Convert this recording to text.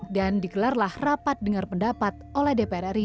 dan dikelarlah rapat dengan pendapat oleh dpr ri